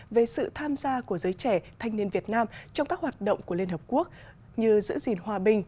về sự tham gia của giới trẻ thanh niên việt nam trong các hoạt động của liên hợp quốc như giữ gìn hòa bình